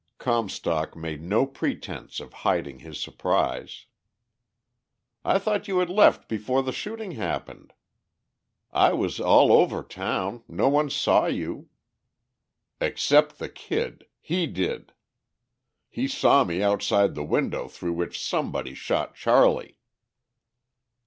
Comstock made no pretence of hiding his surprise. "I thought you had left before the shooting happened. I was all over town; no one saw you...." "Except the Kid. He did. He saw me outside the window through which somebody shot Charley."